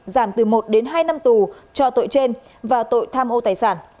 giảm từ một đến hai năm tù cho tội trên và tội tham ô tài sản